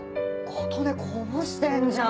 琴音こぼしてんじゃん。